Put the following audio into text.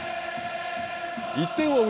１点を追う